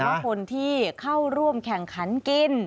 ว่าคนที่เข้าร่วมแข่งขันกิน